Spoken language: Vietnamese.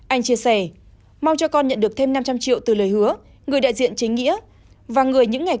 anh chia sẻ mong cho con nhận được thêm năm trăm linh triệu từ lời hứa người đại diện chính nghĩa